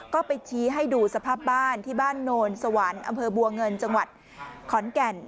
ก็ไปชี้ให้ดูสภาพบ้านที่บ้านโนนสวรรค์อำเภอบัวเงินจังหวัดขอนแก่น